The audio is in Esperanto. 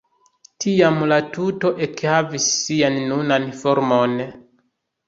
Tiam la tuto ekhavis sian nunan formon.